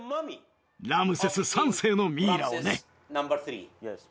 ラムセス３世のミイラをね。